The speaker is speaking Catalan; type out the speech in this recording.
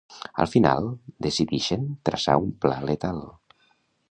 Al final, decidixen traçar un pla letal.